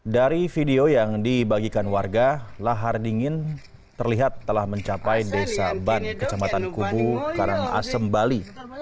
dari video yang dibagikan warga lahar dingin terlihat telah mencapai desa ban kecamatan kubu karangasem bali